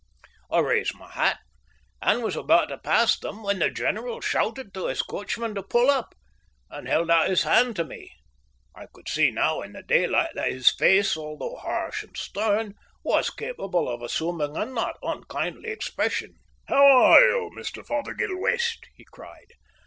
I raised my hat, and was about to pass them, when the general shouted to his coachman to pull up, and held out his hand to me. I could see now in the daylight that his face, although harsh and stern, was capable of assuming a not unkindly expression. "How are you, Mr. Fothergill West?" he cried.